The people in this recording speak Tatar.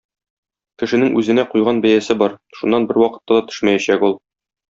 Кешенең үзенә куйган бәясе бар - шуннан бервакытта да төшмәячәк ул!